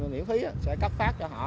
miễn phí sẽ cấp phát cho họ